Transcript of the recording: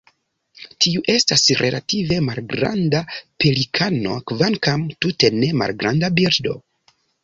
Tiu estas relative malgranda pelikano kvankam tute ne malgranda birdo.